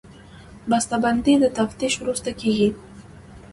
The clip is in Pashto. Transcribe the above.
بسته بندي د تفتیش وروسته کېږي.